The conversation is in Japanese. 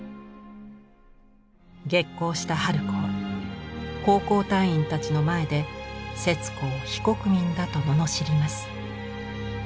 激高した春子は奉公隊員たちの前で節子を「非国民」だとののしります。